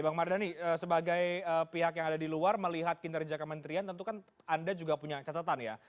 bang mardhani sebagai pihak yang ada di luar melihat kinerja kementerian tentu kan anda juga punya catatan ya